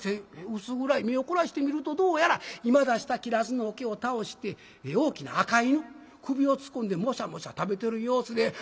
薄暗い目を凝らして見るとどうやら今出したきらずの桶を倒して大きな赤犬首を突っ込んでモシャモシャ食べてる様子で。